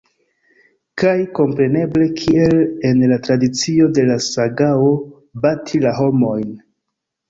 Kaj kompreneble, kiel en la tradicio de la sagao, bati la homojn.